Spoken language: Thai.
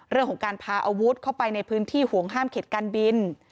เรื่องของการพาอาวุธเข้าไปในพื้นที่ห่วงห้ามเขตการบิน